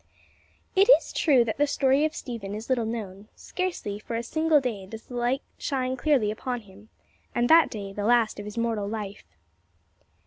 It is true that the story of Stephen is little known; scarcely for a single day does the light shine clearly upon him, and that day the last of his mortal life.